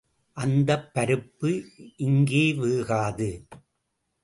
அந்தப் பருப்பு இங்கே வேகாது.